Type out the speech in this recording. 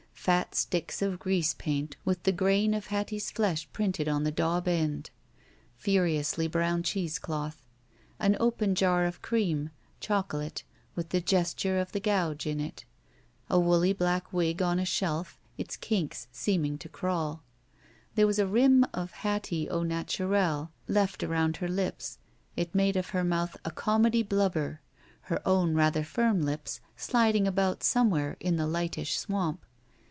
Pat sticks of grease paint with the grain of Hattie's flesh printed on the daub end. Puriously brown cheesecloth. An open jar of cream (chocolate) with the gesture of the gouge in it. A woolly black wig on a shdf, its kinks seeming to crawl. There was a rim of Hattie au natural left around her lips. It made of her mouth a comedy blubber, her own rather firm lips sliding about somewhere in the lightish swamp.